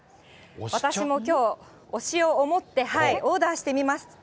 私もきょう、推しを思ってオーダーしてみました。